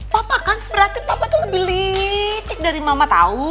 papa kan berarti papa tuh lebih licik dari mama tahu